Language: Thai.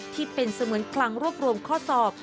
ที่เป็นเสมือนคลังรวบรวมข้อสอบ